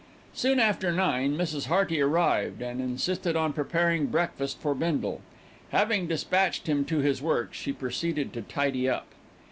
Soon after nine, Mrs. Hearty arrived and insisted on preparing breakfast for Bindle. Having despatched him to his work she proceeded to tidy up.